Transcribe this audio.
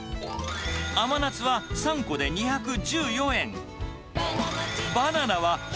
甘夏は３個で２１４円。